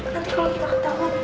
nanti kalau kita ketahuan